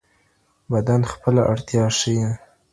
بدن خپله اړتیا ښيي.